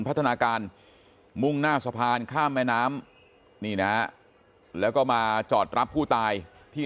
พัฒนาการมุ่งหน้าสะพานข้ามแม่น้ำนี่นะแล้วก็มาจอดรับผู้ตายที่